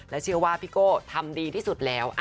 เชื่อว่าพี่โก้ทำดีที่สุดแล้ว